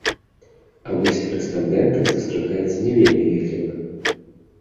А вось карэспандэнта сустракаюць не вельмі ветліва.